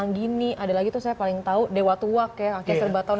ketemu lalo sableng anggini ada lagi tuh saya paling tahu dewa tuwak ya kakak serba tahun